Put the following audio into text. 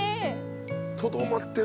とどまってる。